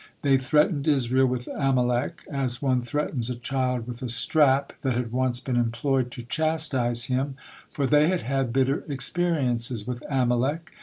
They threatened Israel with Amalek as one threatens a child with a strap that had once been employed to chastise him, for they had had bitter experiences with Amalek.